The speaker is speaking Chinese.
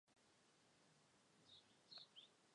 蜻蜓没有蛹的阶段。